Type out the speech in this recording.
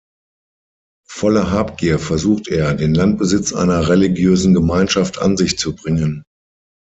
Voller Habgier versucht er, den Landbesitz einer religiösen Gemeinschaft an sich zu bringen.